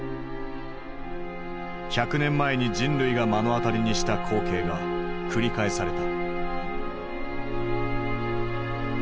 １００年前に人類が目の当たりにした光景が繰り返された。